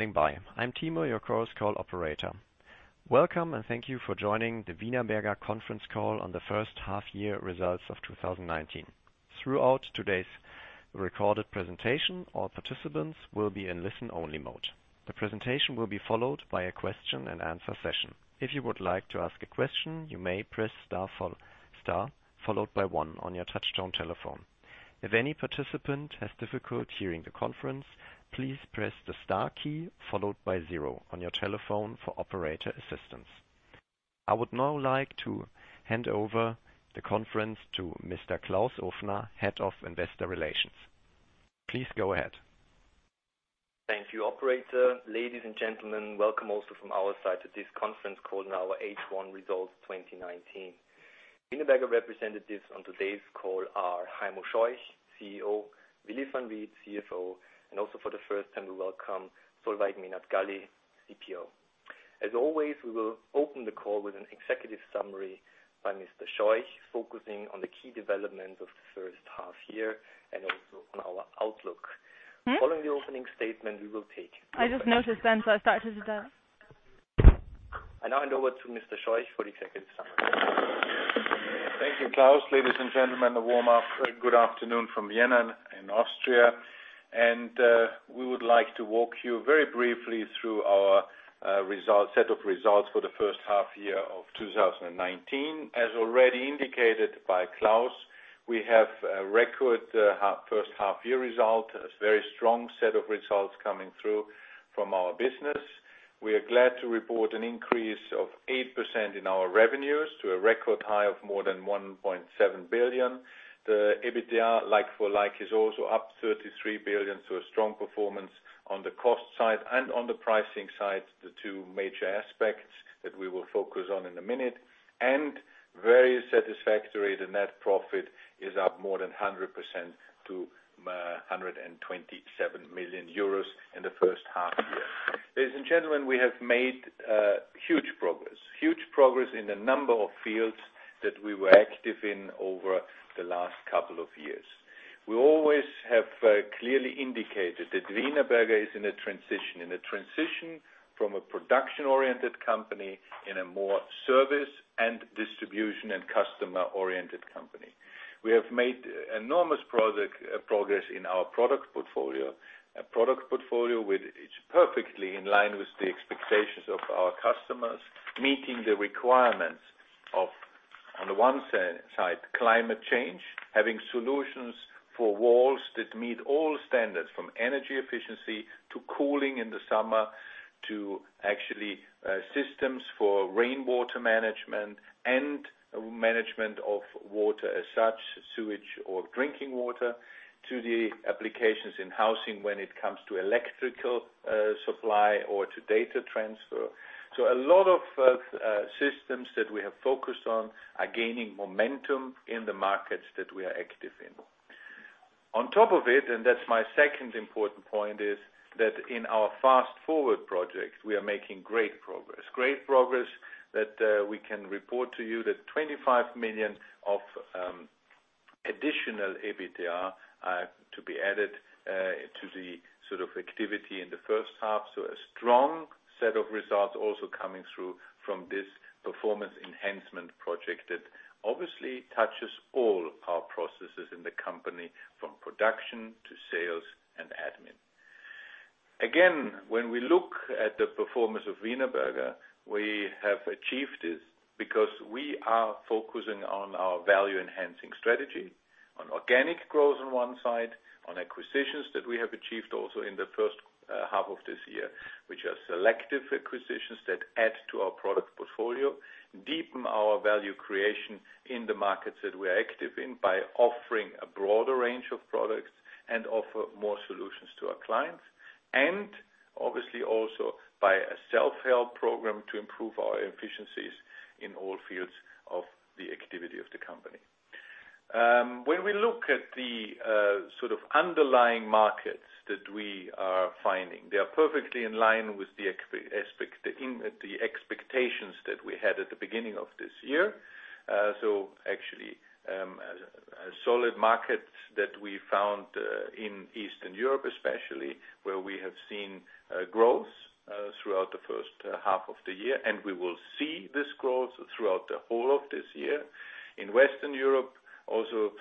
Standing by. I'm Timo, your Chorus Call operator. Welcome, and thank you for joining the Wienerberger conference call on the first half year results of 2019. Throughout today's recorded presentation, all participants will be in listen-only mode. The presentation will be followed by a question and answer session. If you would like to ask a question, you may press star followed by one on your touchtone telephone. If any participant has difficulty hearing the conference, please press the star key followed by zero on your telephone for operator assistance. I would now like to hand over the conference to Mr. Klaus Ofner, Head of Investor Relations. Please go ahead. Thank you, operator. Ladies and gentlemen, welcome also from our side to this conference call on our H1 results 2019. Wienerberger representatives on today's call are Heimo Scheuch, CEO, Willy Van Riet, CFO, and also for the first time, we welcome Solveig Menard-Galli, CPO. As always, we will open the call with an executive summary by Mr. Scheuch, focusing on the key developments of the first half year and also on our outlook. Following the opening statement, we will take I just noticed then, so I started it out. I now hand over to Mr. Scheuch for the executive summary. Thank you, Klaus. Ladies and gentlemen, a warm good afternoon from Vienna in Austria, and we would like to walk you very briefly through our set of results for the first half year of 2019. As already indicated by Klaus, we have a record first half year result, a very strong set of results coming through from our business. We are glad to report an increase of 8% in our revenues to a record high of more than 1.7 billion. The EBITDA like-for-like is also up 33 million, so a strong performance on the cost side and on the pricing side, the two major aspects that we will focus on in a minute, and very satisfactory, the net profit is up more than 100% to 127 million euros in the first half year. Ladies and gentlemen, we have made huge progress. Huge progress in a number of fields that we were active in over the last couple of years. We always have clearly indicated that Wienerberger is in a transition, in a transition from a production-oriented company in a more service and distribution and customer-oriented company. We have made enormous progress in our product portfolio, a product portfolio which is perfectly in line with the expectations of our customers, meeting the requirements of, on the one side, climate change, having solutions for walls that meet all standards from energy efficiency to cooling in the summer, to actually systems for rainwater management and management of water as such, sewage or drinking water, to the applications in housing when it comes to electrical supply or to data transfer. A lot of systems that we have focused on are gaining momentum in the markets that we are active in. On top of it, and that's my second important point, is that in our Fast Forward project, we are making great progress. Great progress that we can report to you that 25 million of additional EBITDA to be added to the activity in the first half. A strong set of results also coming through from this performance enhancement project that obviously touches all our processes in the company, from production to sales and admin. When we look at the performance of Wienerberger, we have achieved this because we are focusing on our value-enhancing strategy, on organic growth on one side, on acquisitions that we have achieved also in the first half of this year, which are selective acquisitions that add to our product portfolio, deepen our value creation in the markets that we are active in by offering a broader range of products and offer more solutions to our clients, and obviously also by a self-help program to improve our efficiencies in all fields of the activity of the company. When we look at the underlying markets that we are finding, they are perfectly in line with the expectations that we had at the beginning of this year. Actually, solid markets that we found in Eastern Europe especially, where we have seen growth throughout the first half of the year, and we will see this growth throughout the whole of this year. In Western Europe, also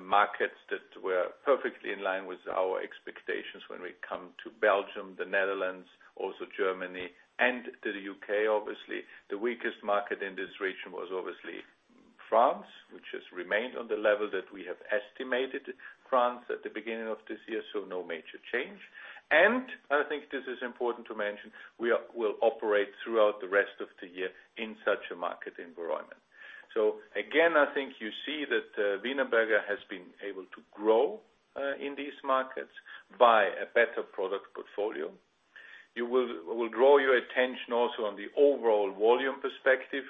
markets that were perfectly in line with our expectations when we come to Belgium, the Netherlands, also Germany and the U.K., obviously. The weakest market in this region was obviously France, which has remained on the level that we have estimated France at the beginning of this year, so no major change. I think this is important to mention, we will operate throughout the rest of the year in such a market environment. Again, I think you see that Wienerberger has been able to grow in these markets by a better product portfolio. We'll draw your attention also on the overall volume perspective.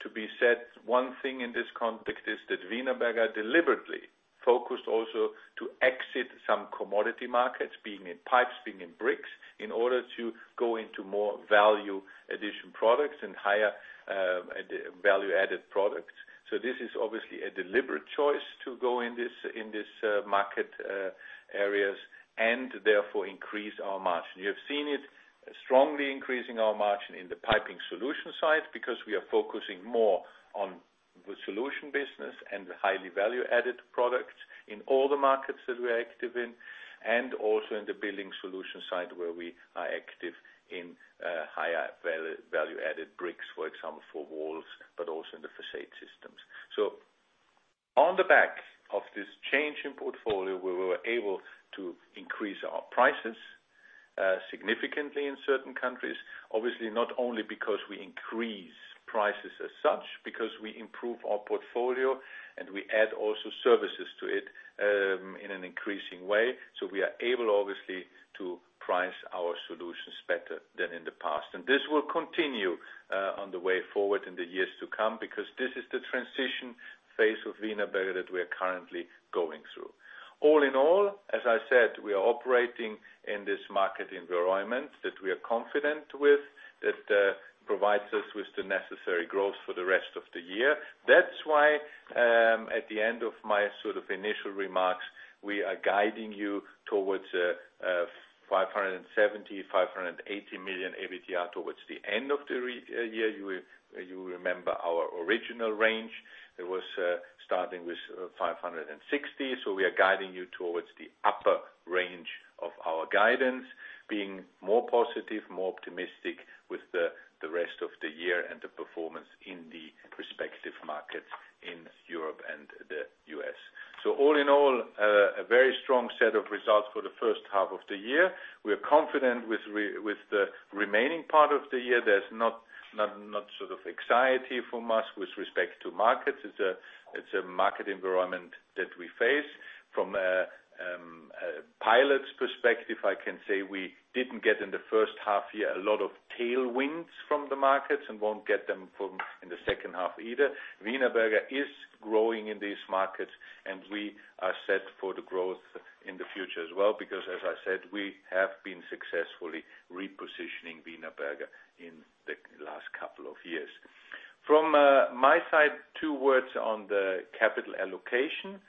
To be said, one thing in this context is that Wienerberger deliberately focused also to exit some commodity markets, being in pipes, being in bricks, in order to go into more value addition products and higher value-added products. This is obviously a deliberate choice to go in this market areas and therefore increase our margin. You have seen it strongly increasing our margin in the piping solution side because we are focusing more on the solution business and the highly value-added products in all the markets that we are active in, and also in the building solution side where we are active in higher value-added bricks, for example for walls, but also in the facade systems. On the back of this change in portfolio, we were able to increase our prices significantly in certain countries. Obviously not only because we increase prices as such, because we improve our portfolio and we add also services to it in an increasing way. We are able, obviously, to price our solutions better than in the past. This will continue on the way forward in the years to come because this is the transition phase of Wienerberger that we're currently going through. All in all, as I said, we are operating in this market environment that we are confident with, that provides us with the necessary growth for the rest of the year. That's why at the end of my initial remarks, we are guiding you towards 570 million-580 million EBITDA towards the end of the year. You will remember our original range. It was starting with 560 million. We are guiding you towards the upper range of our guidance, being more positive, more optimistic with the rest of the year and the performance in the respective markets in Europe and the U.S. All in all, a very strong set of results for the first half of the year. We're confident with the remaining part of the year. There's not anxiety from us with respect to markets. It's a market environment that we face. From our perspective, I can say we didn't get in the first half year a lot of tailwinds from the markets and won't get them in the second half either. Wienerberger is growing in these markets and we are set for the growth in the future as well because as I said, we have been successfully repositioning Wienerberger in the last couple of years. From my side, two words on the capital allocation.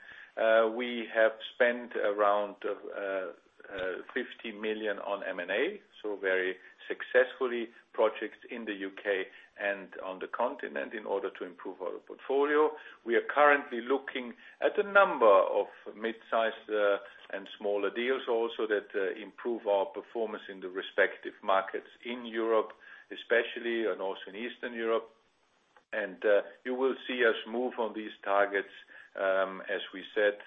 We have spent around 50 million on M&A, very successfully projects in the U.K. and on the continent in order to improve our portfolio. We are currently looking at a number of mid-size and smaller deals also that improve our performance in the respective markets in Europe, especially and also in Eastern Europe. You will see us move on these targets, as we said,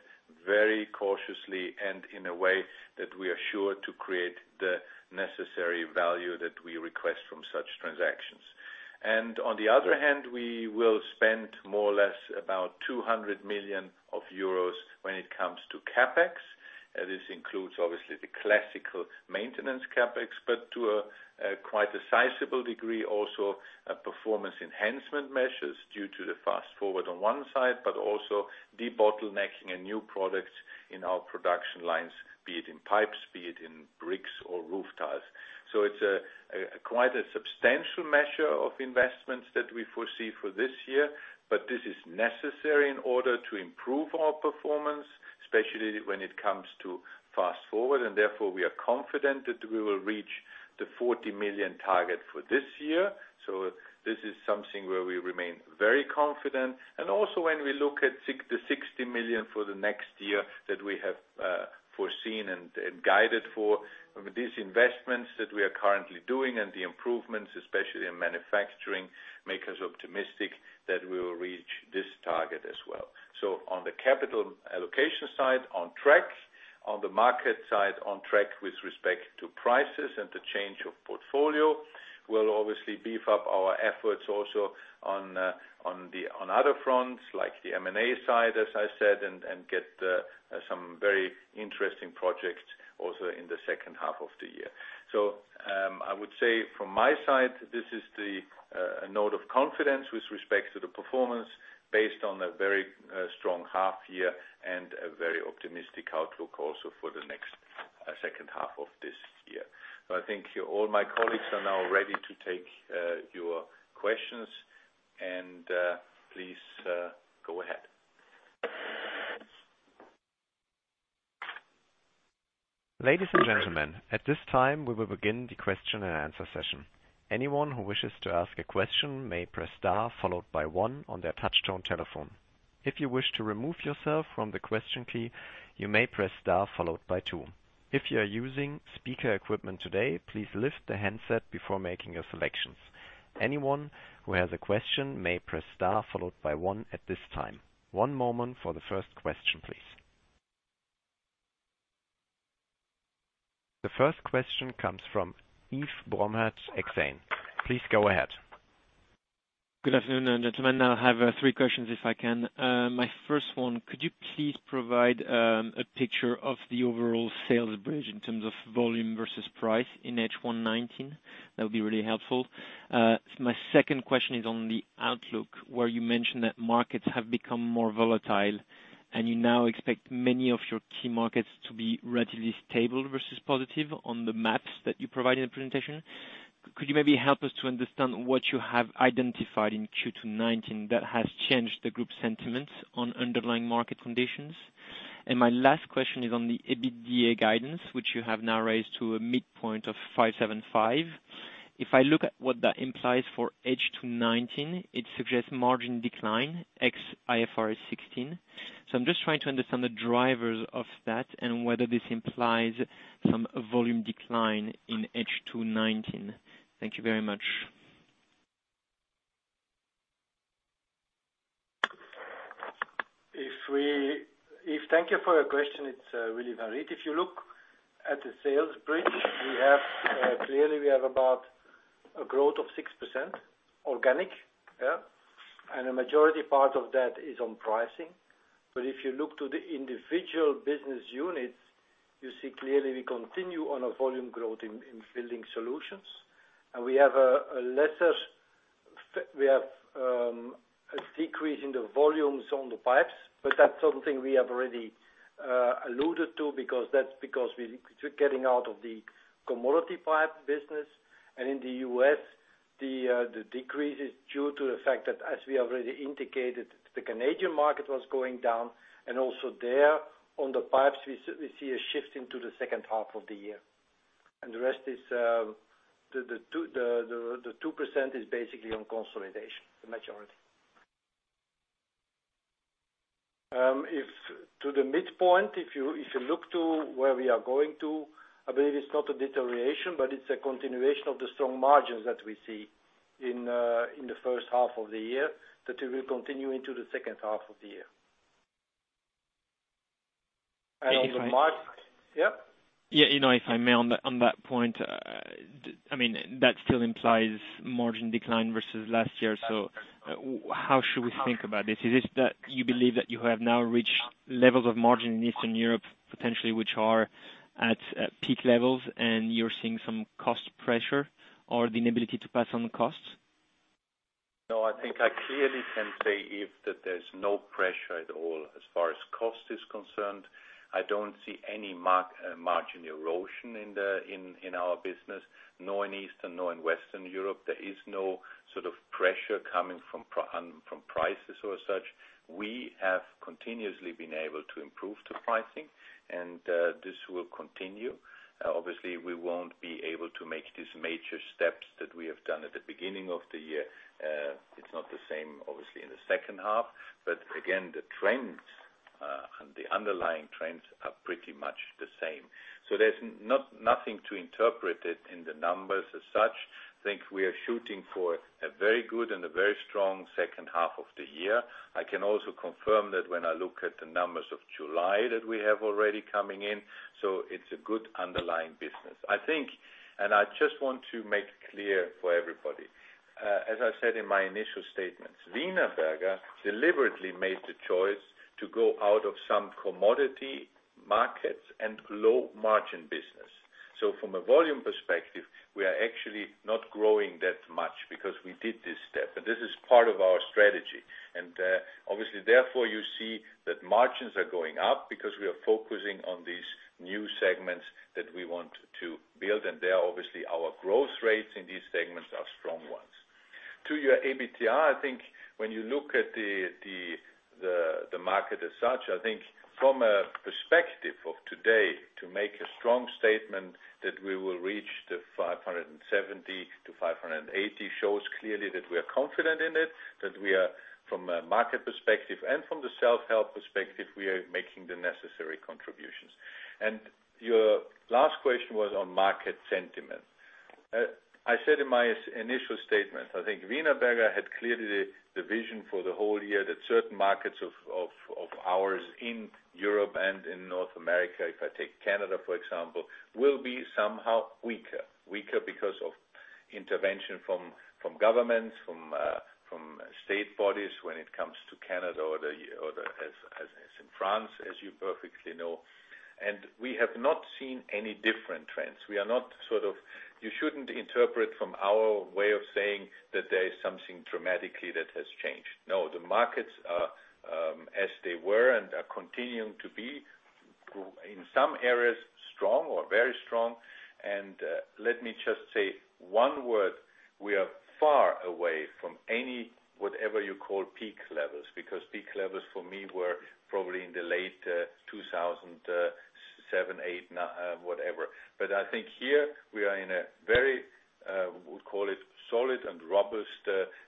very cautiously and in a way that we are sure to create the necessary value that we request from such transactions. On the other hand, we will spend more or less about 200 million euros when it comes to CapEx. This includes obviously the classical maintenance CapEx, but to a quite a sizable degree also performance enhancement measures due to the Fast Forward on one side, but also debottlenecking and new products in our production lines, be it in pipes, be it in bricks or roof tiles. It's quite a substantial measure of investments that we foresee for this year, but this is necessary in order to improve our performance, especially when it comes to Fast Forward, and therefore we are confident that we will reach the 40 million target for this year. This is something where we remain very confident. Also when we look at the 60 million for the next year that we have foreseen and guided for, these investments that we are currently doing and the improvements, especially in manufacturing, make us optimistic that we will reach this target as well. On the capital allocation side, on track. On the market side, on track with respect to prices and the change of portfolio. We'll obviously beef up our efforts also on other fronts like the M&A side, as I said, and get some very interesting projects also in the second half of the year. I would say from my side, this is a note of confidence with respect to the performance based on a very strong half year and a very optimistic outlook also for the next second half of this year. I think all my colleagues are now ready to take your questions and please go ahead. Ladies and gentlemen, at this time, we will begin the question and answer session. Anyone who wishes to ask a question may press star followed by one on their touch-tone telephone. If you wish to remove yourself from the question key, you may press star followed by two. If you are using speaker equipment today, please lift the handset before making your selections. Anyone who has a question may press star followed by one at this time. One moment for the first question, please. The first question comes from Yves Bonna, Exane. Please go ahead. Good afternoon, gentlemen. I have three questions, if I can. My first one, could you please provide a picture of the overall sales bridge in terms of volume versus price in H1 2019? That would be really helpful. My second question is on the outlook, where you mentioned that markets have become more volatile, you now expect many of your key markets to be relatively stable versus positive on the maps that you provide in the presentation. Could you maybe help us to understand what you have identified in Q2 2019 that has changed the group sentiments on underlying market conditions? My last question is on the EBITDA guidance, which you have now raised to a midpoint of 575. If I look at what that implies for H2 2019, it suggests margin decline ex IFRS 16. I'm just trying to understand the drivers of that and whether this implies some volume decline in H2 2019. Thank you very much. Thank you for your question. It's really varied. If you look at the sales bridge, clearly we have about a growth of 6% organic. Yeah. A majority part of that is on pricing. If you look to the individual business units, you see clearly we continue on a volume growth in building solutions. We have a decrease in the volumes on the pipes. That's something we have already alluded to, because that's because we're getting out of the commodity pipe business. In the U.S., the decrease is due to the fact that, as we already indicated, the Canadian market was going down, and also there on the pipes, we see a shift into the second half of the year. The rest is, the 2% is basically on consolidation, the majority. To the midpoint, if you look to where we are going to, I believe it's not a deterioration, but it's a continuation of the strong margins that we see in the first half of the year, that it will continue into the second half of the year. Yeah, if I may, on that point, that still implies margin decline versus last year. How should we think about this? Is it that you believe that you have now reached levels of margin in Eastern Europe, potentially, which are at peak levels, and you're seeing some cost pressure or the inability to pass on the costs? No, I think I clearly can say, Yves, that there's no pressure at all as far as cost is concerned. I don't see any margin erosion in our business, nor in Eastern, nor in Western Europe. There is no sort of pressure coming from prices or such. We have continuously been able to improve the pricing, and this will continue. Obviously, we won't be able to make these major steps that we have done at the beginning of the year. It's not the same, obviously, in the second half. Again, the trends, and the underlying trends are pretty much the same. There's nothing to interpret it in the numbers as such. I think we are shooting for a very good and a very strong second half of the year. I can also confirm that when I look at the numbers of July that we have already coming in. It's a good underlying business. I think, and I just want to make clear for everybody. As I said in my initial statements, Wienerberger deliberately made the choice to go out of some commodity markets and low margin business. From a volume perspective, we are actually not growing that much because we did this step, but this is part of our strategy. Obviously, therefore, you see that margins are going up because we are focusing on these new segments that we want to build, and there, obviously our growth rates in these segments are strong ones. To your EBITDA, I think when you look at the market as such, I think from a perspective of today, to make a strong statement that we will reach the 570 million-580 million shows clearly that we are confident in it, that we are, from a market perspective and from the self-help perspective, we are making the necessary contributions. Your last question was on market sentiment. I said in my initial statement, I think Wienerberger had clearly the vision for the whole year that certain markets of ours in Europe and in North America, if I take Canada, for example, will be somehow weaker. Weaker because of intervention from governments, from state bodies when it comes to Canada or as in France, as you perfectly know. We have not seen any different trends. You shouldn't interpret from our way of saying that there is something dramatically that has changed. No, the markets are as they were and are continuing to be, in some areas, strong or very strong. Let me just say one word, we are far away from any, whatever you call peak levels, because peak levels for me were probably in the late 2007, 2008, whatever. I think here we are in a very, we'll call it solid and robust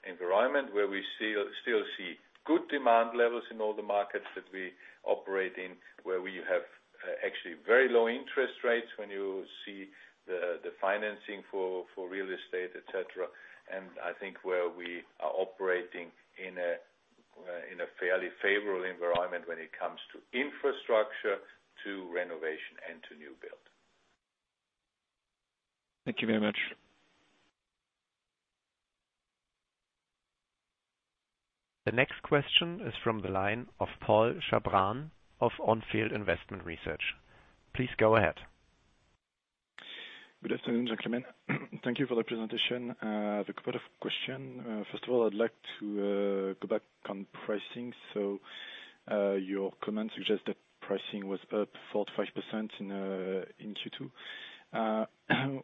environment, where we still see good demand levels in all the markets that we operate in, where we have actually very low interest rates when you see the financing for real estate, et cetera. I think where we are operating in a fairly favorable environment when it comes to infrastructure, to renovation, and to new build. Thank you very much. The next question is from the line of Paul Chabran of On Field Investment Research. Please go ahead. Good afternoon, gentlemen. Thank you for the presentation. I have a couple of question. First of all, I'd like to go back on pricing. Your comment suggests that pricing was up 45% in Q2. I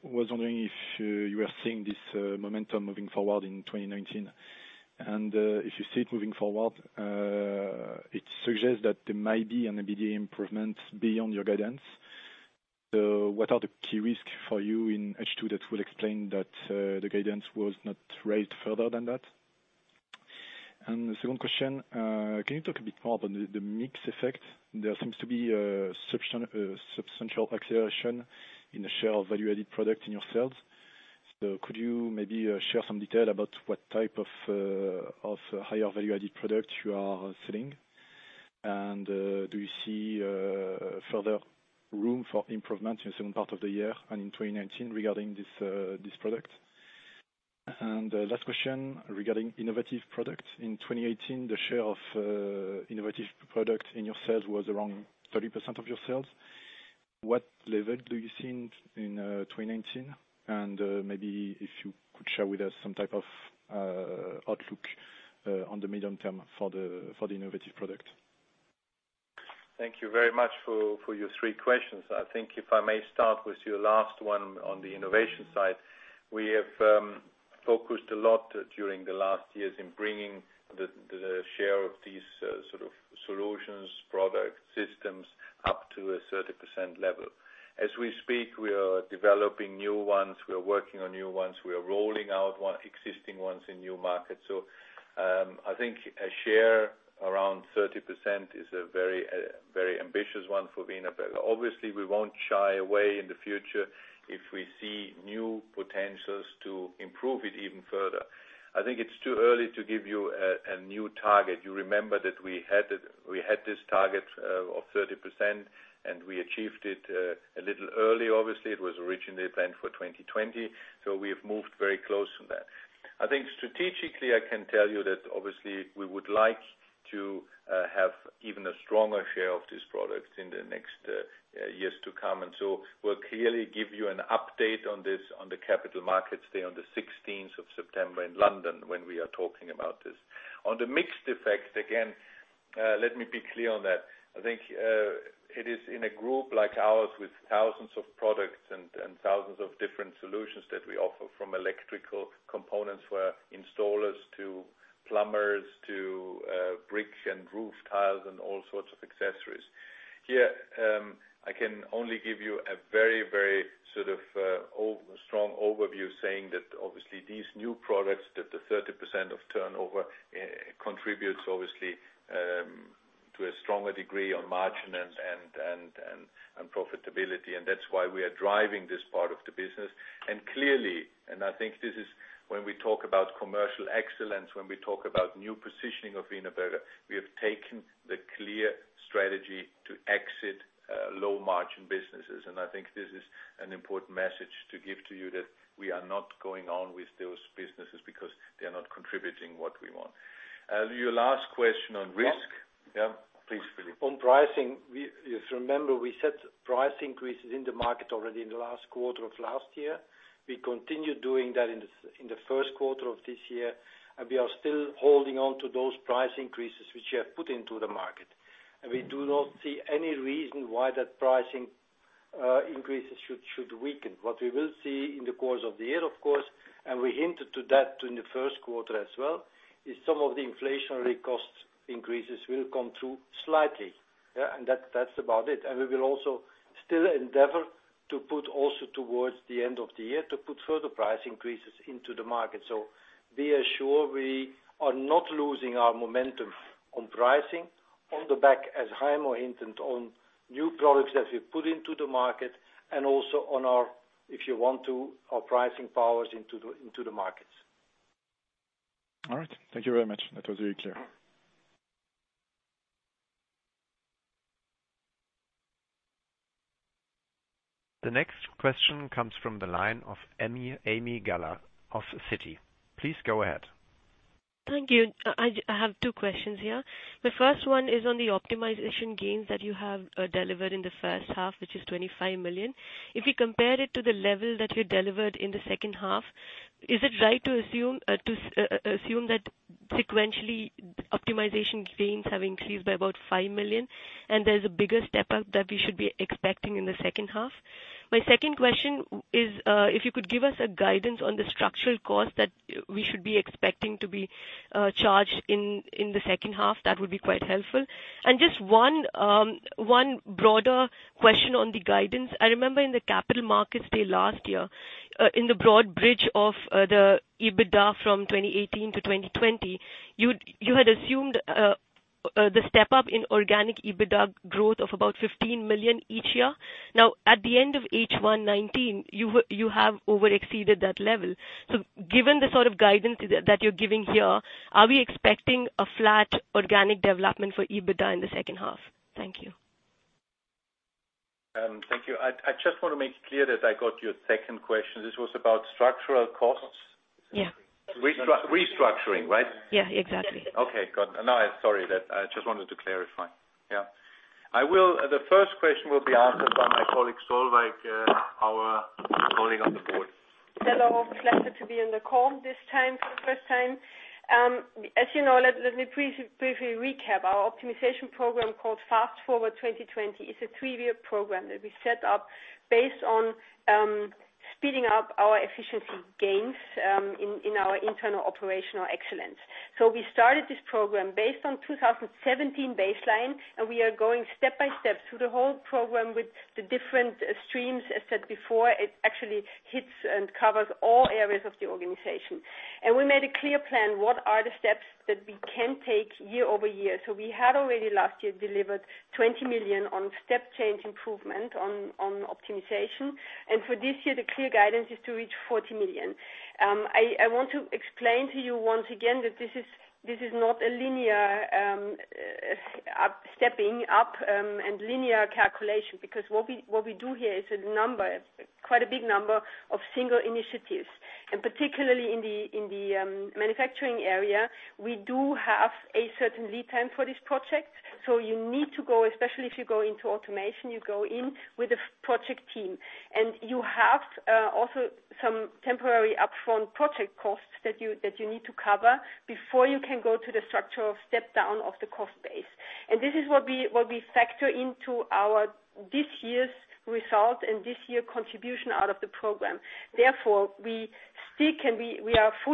was wondering if you are seeing this momentum moving forward in 2019. If you see it moving forward, it suggests that there might be an EBITDA improvement beyond your guidance. What are the key risk for you in H2 that will explain that the guidance was not raised further than that? The second question, can you talk a bit more about the mix effect? There seems to be a substantial acceleration in the share of value-added product in your sales. Could you maybe share some detail about what type of higher value-added product you are selling? Do you see further room for improvement in the second part of the year and in 2019 regarding this product? Last question regarding innovative products. In 2018, the share of innovative products in your sales was around 30% of your sales. What level do you see in 2019? Maybe if you could share with us some type of outlook on the medium term for the innovative product. Thank you very much for your three questions. I think if I may start with your last one on the innovation side. We have focused a lot during the last years in bringing the share of these sort of solutions, product, systems up to a 30% level. As we speak, we are developing new ones. We are working on new ones. We are rolling out existing ones in new markets. I think a share around 30% is a very ambitious one for Wienerberger. Obviously, we won't shy away in the future if we see new potentials to improve it even further. I think it's too early to give you a new target. You remember that we had this target of 30% and we achieved it a little early obviously. It was originally planned for 2020. We have moved very close to that. I think strategically, I can tell you that obviously we would like to have even a stronger share of these products in the next years to come. We'll clearly give you an update on this on the Capital Markets Day on the 16th of September in London when we are talking about this. On the mix effect, again, let me be clear on that. I think it is in a group like ours with thousands of products and thousands of different solutions that we offer from electrical components for installers to plumbers to brick and roof tiles and all sorts of accessories. Here, I can only give you a very sort of strong overview saying that obviously these new products that the 30% of turnover contributes obviously to a stronger degree on margin and profitability, and that's why we are driving this part of the business. Clearly, and I think this is when we talk about commercial excellence, when we talk about new positioning of Wienerberger, we have taken the clear strategy to exit low margin businesses. I think this is an important message to give to you that we are not going on with those businesses because they are not contributing what we want. Your last question on risk. Yeah, please, Willy. On pricing, if you remember, we set price increases in the market already in the last quarter of last year. We continued doing that in the first quarter of this year, and we are still holding on to those price increases which we have put into the market. We do not see any reason why that pricing increases should weaken. What we will see in the course of the year, of course, and we hinted to that in the first quarter as well, is some of the inflationary cost increases will come through slightly. Yeah. That's about it. We will also still endeavor to put also towards the end of the year to put further price increases into the market. Be assured we are not losing our momentum on pricing on the back as Heimo hinted on new products that we put into the market and also on our, if you want to, our pricing powers into the markets. All right. Thank you very much. That was very clear. The next question comes from the line of Ami Galla of Citi. Please go ahead. Thank you. I have two questions here. The first one is on the optimization gains that you have delivered in the first half, which is 25 million. If we compare it to the level that you delivered in the second half, is it right to assume that sequentially optimization gains have increased by about 5 million and there's a bigger step up that we should be expecting in the second half? My second question is if you could give us a guidance on the structural cost that we should be expecting to be charged in the second half, that would be quite helpful. Just one broader question on the guidance. I remember in the Capital Markets Day last year, in the broad bridge of the EBITDA from 2018 to 2020, you had assumed the step up in organic EBITDA growth of about 15 million each year. Now at the end of H1 2019, you have over exceeded that level. Given the sort of guidance that you're giving here, are we expecting a flat organic development for EBITDA in the second half? Thank you. Thank you. I just want to make clear that I got your second question. This was about structural costs? Yeah. Restructuring, right? Yeah, exactly. Okay, good. No, sorry. I just wanted to clarify. Yeah. The first question will be answered by my colleague, Solveig, our colleague on the board. Hello. Pleasure to be on the call this time for the first time. As you know, let me briefly recap. Our optimization program called Fast Forward 2020 is a three-year program that we set up based on speeding up our efficiency gains in our internal operational excellence. We started this program based on 2017 baseline, and we are going step by step through the whole program with the different streams. As said before, it actually hits and covers all areas of the organization. We made a clear plan, what are the steps that we can take year over year. We had already last year delivered 20 million on step change improvement on optimization. For this year, the clear guidance is to reach 40 million. I want to explain to you once again that this is not a linear stepping up and linear calculation because what we do here is a number, quite a big number of single initiatives. Particularly in the manufacturing area, we do have a certain lead time for this project. You need to go, especially if you go into automation, you go in with a project team. You have also some temporary upfront project costs that you need to cover before you can go to the structural step down of the cost base. This is what we factor into this year's result and this year contribution out of the program. We are fully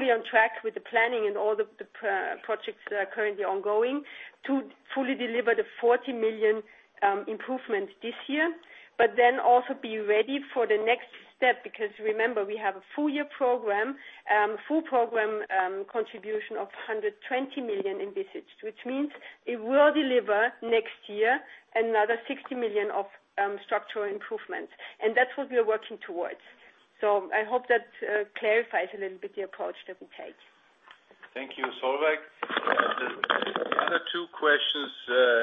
on track with the planning and all the projects that are currently ongoing to fully deliver the 40 million improvement this year, but then also be ready for the next step, because remember, we have a full year program, full program contribution of 120 million envisaged, which means it will deliver next year another 60 million of structural improvements. That's what we are working towards. I hope that clarifies a little bit the approach that we take. Thank you, Solveig. The other two questions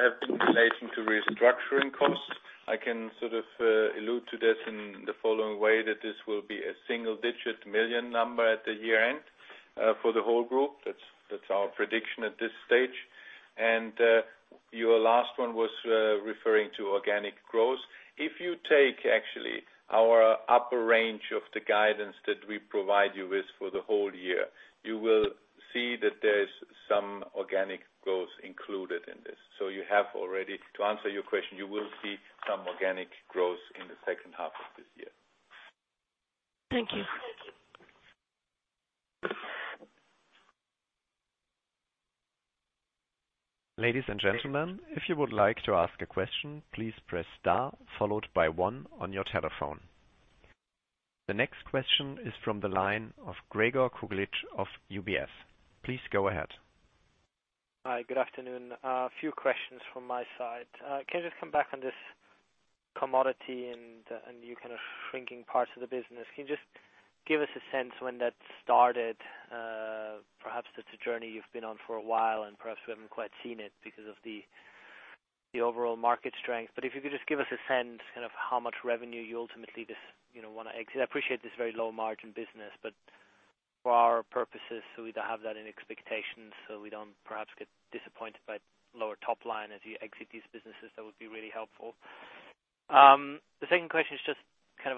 have been relating to restructuring costs. I can allude to that in the following way, that this will be a single-digit million EUR number at the year-end for the whole group. That's our prediction at this stage. Your last one was referring to organic growth. If you take actually our upper range of the guidance that we provide you with for the whole year, you will see that there's some organic growth included in this. To answer your question, you will see some organic growth in the second half of this year. Thank you. Ladies and gentlemen, if you would like to ask a question, please press star, followed by one on your telephone. The next question is from the line of Gregor Kuglitsch of UBS. Please go ahead. Hi, good afternoon. A few questions from my side. Can I just come back on this commodity and you kind of shrinking parts of the business. Can you just give us a sense when that started? Perhaps it's a journey you've been on for a while, and perhaps we haven't quite seen it because of the overall market strength. If you could just give us a sense, how much revenue you ultimately just want to exit. I appreciate this very low margin business, but for our purposes, so we don't have that in expectations, so we don't perhaps get disappointed by lower top line as you exit these businesses. That would be really helpful. The second question is just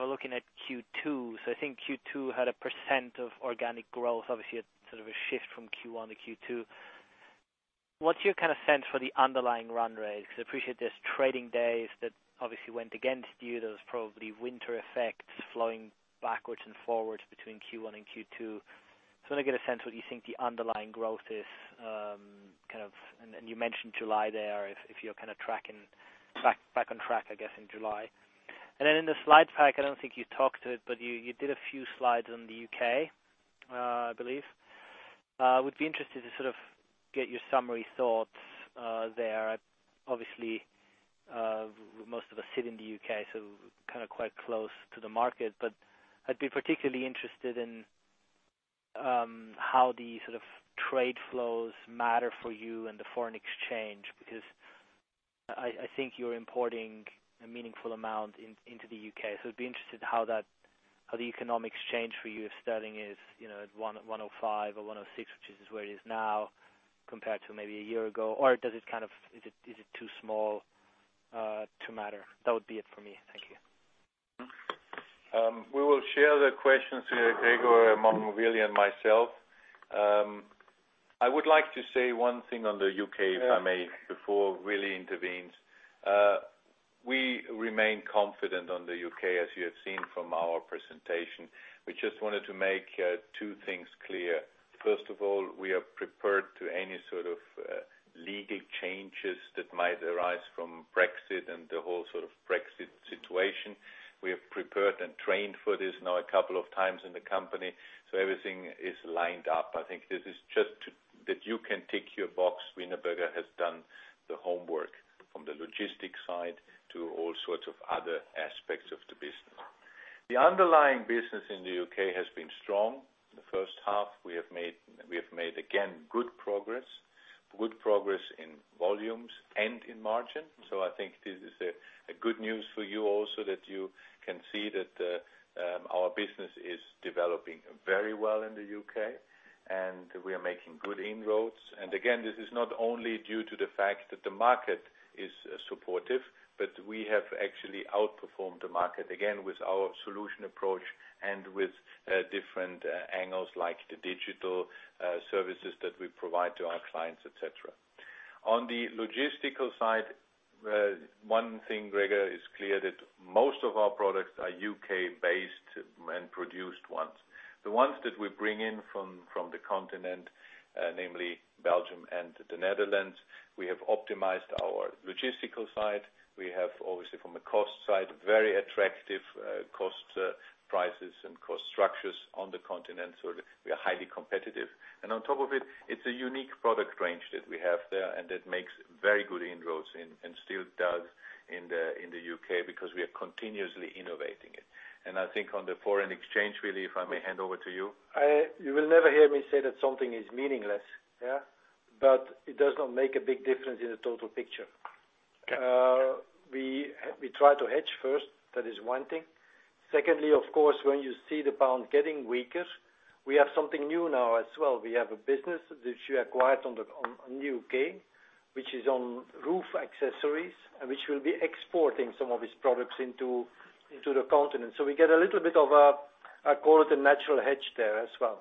looking at Q2. I think Q2 had a percent of organic growth, obviously, a sort of a shift from Q1 to Q2. What's your sense for the underlying run rate? I appreciate there's trading days that obviously went against you. There's probably winter effects flowing backwards and forwards between Q1 and Q2. I want to get a sense what you think the underlying growth is. You mentioned July there, if you're back on track, I guess, in July. In the slide pack, I don't think you talked to it, you did a few slides on the U.K., I believe. I would be interested to get your summary thoughts there. Obviously, most of us sit in the U.K., quite close to the market, I'd be particularly interested in how the sort of trade flows matter for you and the foreign exchange, I think you're importing a meaningful amount into the U.K. I'd be interested how the economic exchange for you if sterling is at 105 or 106, which is where it is now compared to maybe a year ago, or is it too small to matter? That would be it for me. Thank you. We will share the questions here, Gregor, among Willy and myself. I would like to say one thing on the U.K., if I may, before Willy intervenes. We remain confident on the U.K., as you have seen from our presentation. We just wanted to make two things clear. First of all, we are prepared to any sort of legal changes that might arise from Brexit and the whole sort of Brexit situation. We are prepared and trained for this now a couple of times in the company, so everything is lined up. I think this is just that you can tick your box. Wienerberger has done the homework from the logistics side to all sorts of other aspects of the business. The underlying business in the U.K. has been strong. The first half we have made, again, good progress. Good progress in volumes and in margin. I think this is a good news for you also that you can see that our business is developing very well in the U.K., and we are making good inroads. Again, this is not only due to the fact that the market is supportive, but we have actually outperformed the market again with our solution approach and with different angles like the digital services that we provide to our clients, et cetera. On the logistical side, one thing, Gregor, is clear that most of our products are U.K.-based and produced ones. The ones that we bring in from the continent, namely Belgium and the Netherlands, we have optimized our logistical side. We have, obviously from a cost side, very attractive cost prices and cost structures on the continent. We are highly competitive. On top of it's a unique product range that we have there, and that makes very good inroads and still does in the U.K. because we are continuously innovating it. I think on the foreign exchange, really, if I may hand over to you. You will never hear me say that something is meaningless. It does not make a big difference in the total picture. Okay. We try to hedge first. That is one thing. Secondly, of course, when you see the pound getting weaker, we have something new now as well. We have a business that we acquired on the U.K., which is on roof accessories, which will be exporting some of its products into the continent. We get a little bit of a, I call it a natural hedge there as well.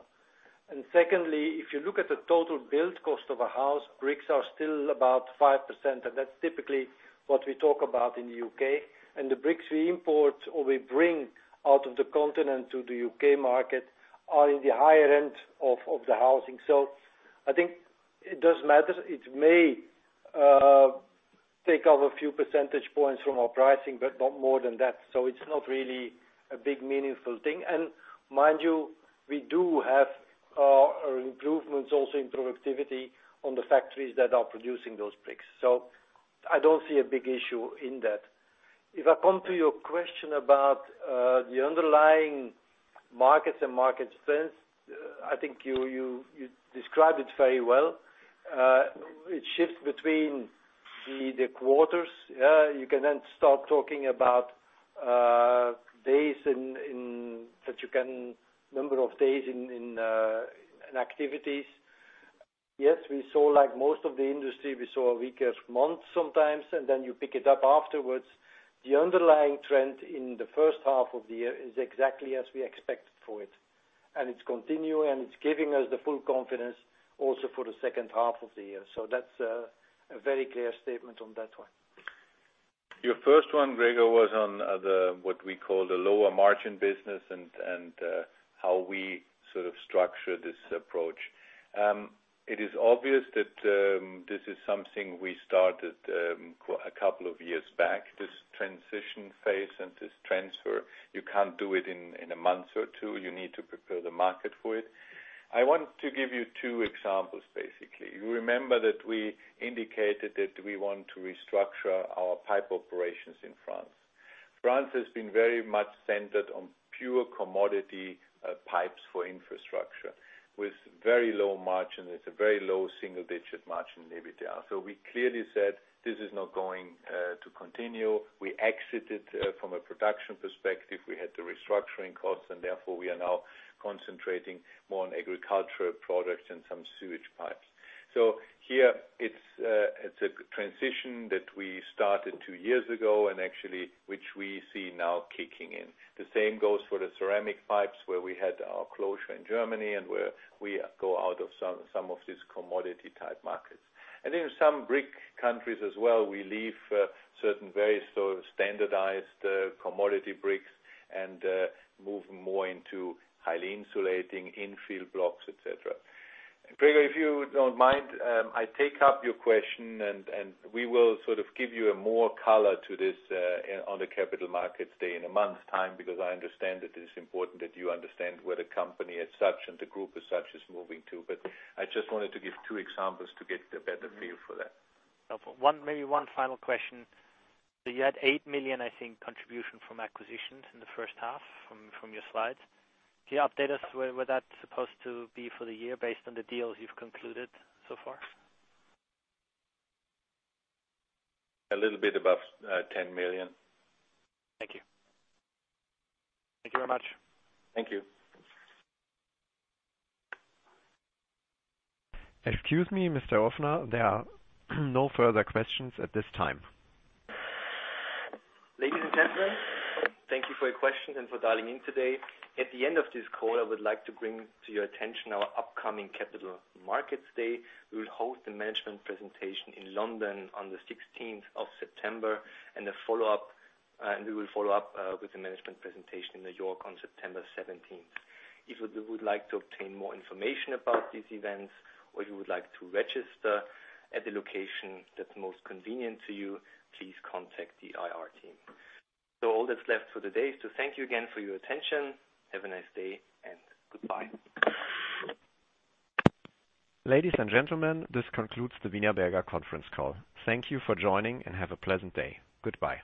Secondly, if you look at the total build cost of a house, bricks are still about 5%, and that's typically what we talk about in the U.K. The bricks we import or we bring out of the continent to the U.K. market are in the higher end of the housing. I think it does matter. It may take off a few percentage points from our pricing, but not more than that. It's not really a big meaningful thing. Mind you, we do have our improvements also in productivity on the factories that are producing those bricks. I don't see a big issue in that. If I come to your question about the underlying markets and market sense, I think you described it very well. It shifts between the quarters. You can start talking about number of days in activities. Yes, like most of the industry, we saw a weaker month sometimes, and then you pick it up afterwards. The underlying trend in the first half of the year is exactly as we expected for it, and it's continuing, and it's giving us the full confidence also for the second half of the year. That's a very clear statement on that one. Your first one, Gregor, was on what we call the lower margin business and how we sort of structure this approach. It is obvious that this is something we started a couple of years back, this transition phase and this transfer. You can't do it in a month or two. You need to prepare the market for it. I want to give you two examples, basically. You remember that we indicated that we want to restructure our pipe operations in France. France has been very much centered on pure commodity pipes for infrastructure with very low margin. It's a very low single-digit margin EBITDA. We clearly said this is not going to continue. We exited from a production perspective. We had the restructuring costs, and therefore, we are now concentrating more on agricultural products and some sewage pipes. Here it's a transition that we started two years ago and actually which we see now kicking in. The same goes for the ceramic pipes where we had our closure in Germany and where we go out of some of these commodity type markets. In some brick countries as well, we leave certain very sort of standardized commodity bricks and move more into highly insulating infill blocks, et cetera. Gregor, if you don't mind, I take up your question, and we will sort of give you a more color to this on the Capital Markets Day in a month's time, because I understand that it is important that you understand where the company as such and the group as such is moving to. I just wanted to give two examples to get a better feel for that. Helpful. Maybe one final question. You had 8 million, I think, contribution from acquisitions in the first half from your slides. Can you update us where that's supposed to be for the year based on the deals you've concluded so far? A little bit above 10 million. Thank you. Thank you very much. Thank you. Excuse me, Mr. Ofner, there are no further questions at this time. Ladies and gentlemen, thank you for your questions and for dialing in today. At the end of this call, I would like to bring to your attention our upcoming Capital Markets Day. We'll host a management presentation in London on the 16th of September, and we will follow up with a management presentation in New York on September 17th. If you would like to obtain more information about these events or you would like to register at the location that's most convenient to you, please contact the IR team. All that's left for the day is to thank you again for your attention. Have a nice day, and goodbye. Ladies and gentlemen, this concludes the Wienerberger conference call. Thank you for joining, and have a pleasant day. Goodbye.